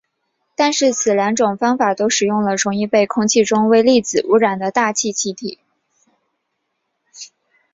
但是此两种方法都使用了容易被空气中微粒子污染的大气气体。